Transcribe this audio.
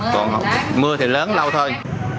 còn mưa thì lớn lâu thôi